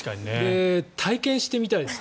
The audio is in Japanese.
体験してみたいです。